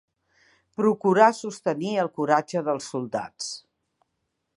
Procurar sostenir el coratge dels soldats.